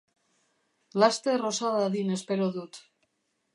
Laster osa dadin espero dut.